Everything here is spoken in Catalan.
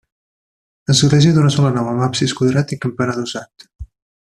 Església d'una sola nau amb absis quadrat i campanar adossat.